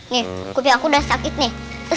nih effect udah sakit nih